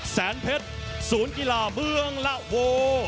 แสนเพชรศูนย์กีฬาเบื้องละโว